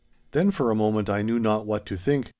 'Then for a moment I knew not what to think.